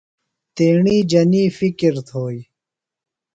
تیݨی جنیۡ فکر تھوئی